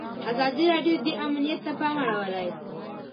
ازادي راډیو د امنیت ته پام اړولی.